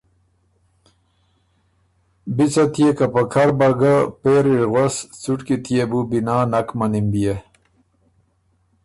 بی څۀ يې که پکر بۀ ګه پېری ر غؤس څُټکی تيې بو بِنا نک مَنِم بيې